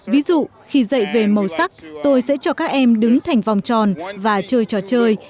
ví dụ khi dạy về màu sắc tôi sẽ cho các em đứng thành vòng tròn và chơi trò chơi